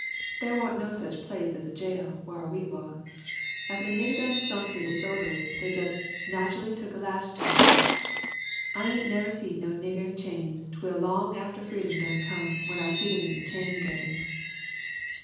"They waren't no such place as a jail whar we was. Effen a nigger done sumpin' disorderly they jus' natcherly tuk a lash to 'im. I ain't never seed no nigger in chains twel long atter freedom done come when I seed 'em on the chain gangs.